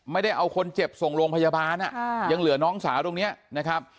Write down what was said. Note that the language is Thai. ไม่ได้เอาคนเจ็บส่งโรงพยาบาลยังเหลือน้องสาวตรงนี้นะครับ